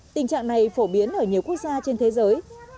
tình trạng này phổ biến ở nhiều quốc gia trên thế giới